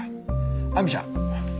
亜美ちゃん。